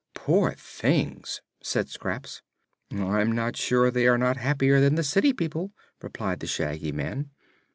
"Poor things!" said Scraps. "I'm not sure they are not happier than the city people," replied the Shaggy Man.